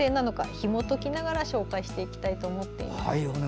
ひもときながら紹介していきたいと思っています。